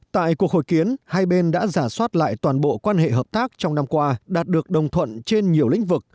tại cuộc hội kiến hai bên đã giả soát lại toàn bộ quan hệ hợp tác trong năm qua đạt được đồng thuận trên nhiều lĩnh vực